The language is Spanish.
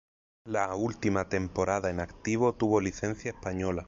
La última temporada en activo tuvo licencia española.